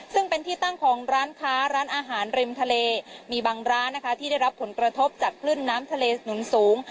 ซึ่งเป็นที่ตั้งของร้านค้าร้านอาหารริมทะเลมีบางร้านนะคะที่ได้รับผลกระทบจากคลื่นน้ำทะเลหนุนสูง